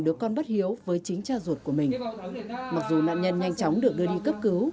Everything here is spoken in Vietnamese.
đứa con bất hiếu với chính cha ruột của mình mặc dù nạn nhân nhanh chóng được đưa đi cấp cứu